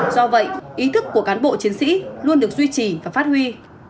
do vậy ý thức của cán bộ chiến sĩ luôn được duy trì và phát huy